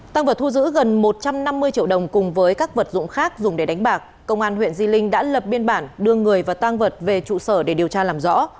tăng vật thu giữ gần một trăm năm mươi triệu đồng cùng với các vật dụng khác dùng để đánh bạc công an huyện di linh đã lập biên bản đưa người và tang vật về trụ sở để điều tra làm rõ